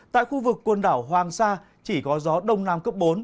tại khu vực quần đảo hoàng sa chỉ có gió đông nam cấp bốn